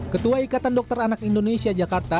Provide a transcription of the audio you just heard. ketua ikatan dokter anak indonesia jakarta